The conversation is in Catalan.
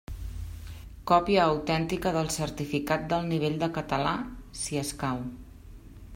Còpia autèntica del certificat del nivell de català, si escau.